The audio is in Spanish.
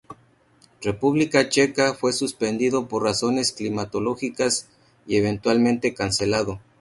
República Checa fue suspendido por razones climatológicas y eventualmente cancelado.